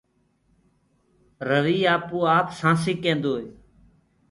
رويٚ آپوآپ سآنٚسي ڪينٚدوئي